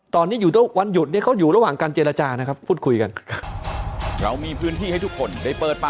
ตอนนี้วันหยุดเขาอยู่ระหว่างการเจรจานะครับ